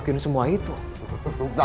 kau tak bisa mencoba